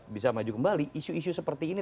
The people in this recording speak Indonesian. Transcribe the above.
bisa maju kembali isu isu seperti ini